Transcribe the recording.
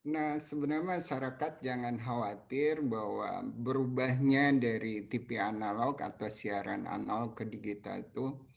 nah sebenarnya masyarakat jangan khawatir bahwa berubahnya dari tv analog atau siaran analog ke digital itu